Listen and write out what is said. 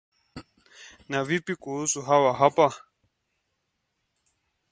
And what about these over here?